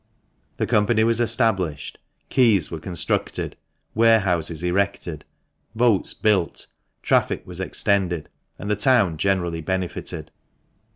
The company was established, quays were constructed, warehouses erected, boats built, traffic was extended, and the town generally benefited.